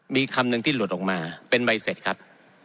มีคำหนึ่งที่หลุดออกมาเป็นใบเสร็จครับ